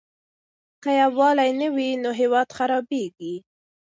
که يووالی نه وي نو هېواد خرابيږي.